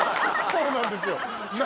そうなんですよ。